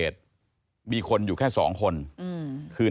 ที่อ๊อฟวัย๒๓ปี